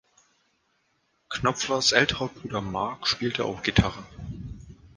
Knopflers älterer Bruder Mark spielte auch Gitarre.